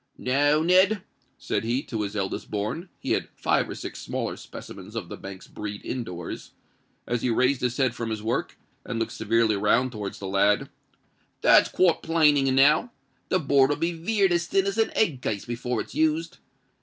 "Now, Ned," said he to his eldest born (he had five or six smaller specimens of the Banks' breed indoors), as he raised his head from his work, and looked severely round towards the lad; "that's quite planing enow: the board'll be veared as thin as a egg case before it's used.